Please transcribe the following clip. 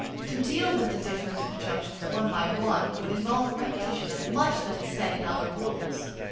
To deal with the different conjunctions one by one, would involve a repetition of much that is said in other rules.